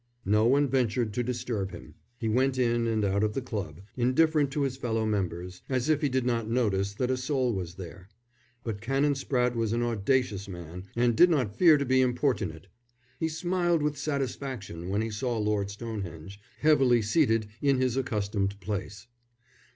No one ventured to disturb him. He went in and out of the club, indifferent to his fellow members, as if he did not notice that a soul was there. But Canon Spratte was an audacious man and did not fear to be importunate. He smiled with satisfaction when he saw Lord Stonehenge, heavily seated in his accustomed place.